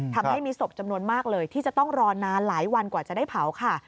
ทำให้มีศพจำนวนมากเลยที่จะต้องรอนานหลายวันกว่าจะได้เผาค่ะ